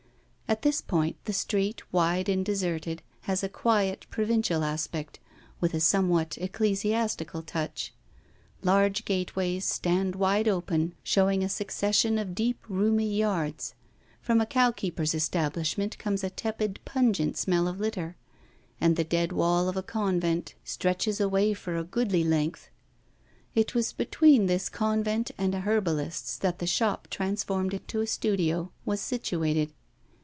At this point, the street, wide and deserted, has a quiet, provincial aspect, with a somewhat ecclesiastical touch. Large gateways stand wide open showing a succession of deep roomy yards; from a cowkeeper's establishment comes a tepid, pungent smell of litter; and the dead wall of a convent stretches away for a goodly length. It was between this convent and a herbalist's that the shop transformed into a studio was situated.